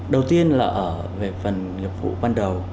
đầu tiên là về phần dịch vụ ban đầu